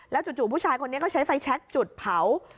จู่ผู้ชายคนนี้ก็ใช้ไฟแชคจุดเผา